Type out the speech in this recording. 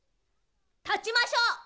たちましょう！